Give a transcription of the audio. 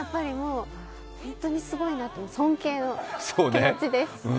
本当にすごいなと尊敬の気持ちです。